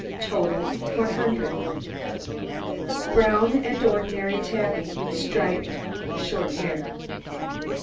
TOTAL 100 BROWN AND ORDINARY TABBY, STRIPED, SHORT HAIR.